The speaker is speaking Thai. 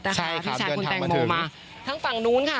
นะฮะใช่ครับพี่แชคคุณแต่งมงมาทั้งฝั่งนู้นค่ะ